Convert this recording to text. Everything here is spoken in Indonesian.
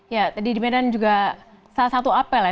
ya tadi di medan juga salah satu apel ya